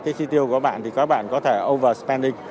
cái chi tiêu của bạn thì các bạn có thể overspending